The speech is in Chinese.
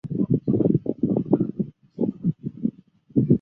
浙江大学口腔医学系是浙江大学医学部的一个学系。